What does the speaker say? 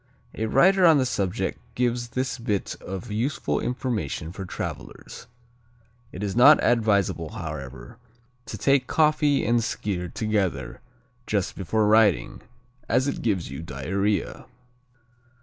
A writer on the subject gives this bit of useful information for travelers: "It is not advisable, however, to take coffee and Skyr together just before riding, as it gives you diarrhea."